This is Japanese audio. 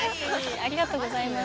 ありがとうございます。